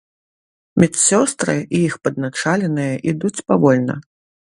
Медсёстры і іх падначаленыя ідуць павольна.